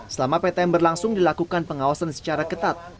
selama ptm berlangsung dilakukan pengawasan secara ketat